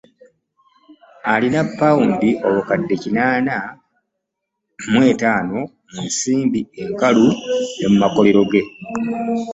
Alina Paundi abukade kinaana mu butaano mu nsimbi enkalu ne mu makolero ge.